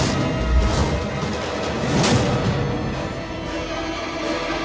จัดเต็มให้เลย